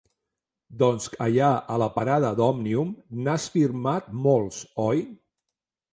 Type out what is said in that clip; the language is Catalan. Doncs allà a la parada d'Òmnium n'has firmat molts, oi?